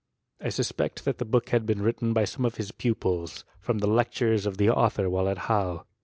* I suspect that the book had been written by some of his pupils, from the lectures of the author while at Halle.